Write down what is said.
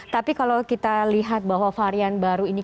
tapi kalau kita lihat bahwa varian baru ini